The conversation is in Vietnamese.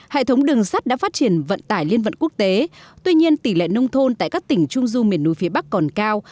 hệ thống đường sắt đã phát triển vận tải liên vận quốc tế tuy nhiên tỷ lệ nông thôn tại các tỉnh trung du miền núi phía bắc còn cao